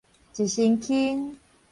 一身輕